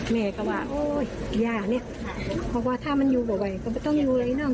แม่เขาว่าโอ๊ยอ่าเนี่ยเพราะว่าถ้ามันอยู่กับเวยก็ไม่ต้องอยู่ใดนึง